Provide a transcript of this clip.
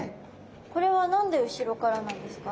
これは何で後ろからなんですか？